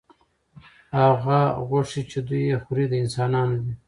هغه غوښې چې دوی یې خوري، د انسانانو دي.